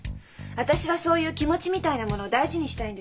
私はそういう気持ちみたいなもの大事にしたいんです。